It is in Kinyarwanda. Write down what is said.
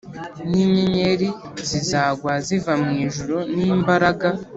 N inyenyeri zizagwa ziva mu ijuru n imbaraga